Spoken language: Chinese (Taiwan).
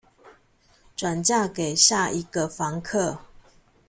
轉嫁給下一個房客